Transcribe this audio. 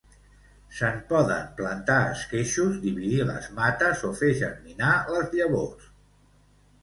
Se'n poden plantar esqueixos, dividir les mates o fer germinar les llavors.